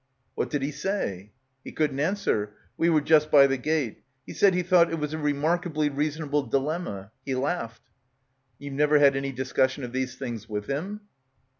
"What did he say?" "He couldn't answer. We were just by die gate. He said he thought it was a remarkably reasonable dilemma. He laughed." "And ye've never had any discussion of these things with him?"